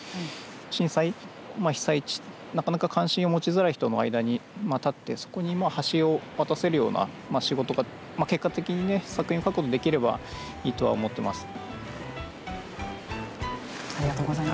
震災、被災地、なかなか関心を持ちづらい人の間に立ってそこに橋を渡せるような仕事が結果的に作品を書くことがありがとうございます。